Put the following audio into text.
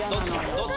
どっち